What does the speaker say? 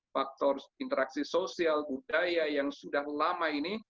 faktor interaksi sosial budaya yang sudah lama ini